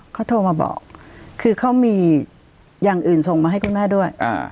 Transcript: เขาโทรมาบอกคือเขามีอย่างอื่นส่งมาให้คุณแม่ด้วย